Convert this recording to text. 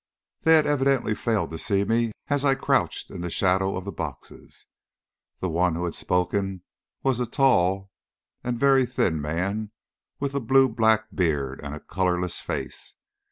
They had evidently failed to see me as I crouched in the shadow of the boxes. The one who had spoken was a tall and very thin man with a blue black beard and a colourless face.